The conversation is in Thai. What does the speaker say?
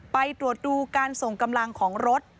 ไปตรวจดูการส่งกำลังของรถ